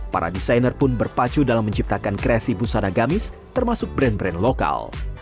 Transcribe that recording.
para desainer pun berpacu dalam menciptakan kreasi busana gamis termasuk brand brand lokal